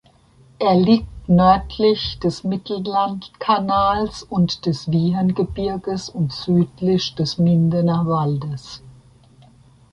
Er liegt nördlich des Mittellandkanals und des Wiehengebirges und südlich des Mindener Waldes.